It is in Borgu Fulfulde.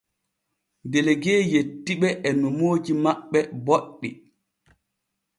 Delegue yetti ɓe e nomooji maɓɓe boɗɗi.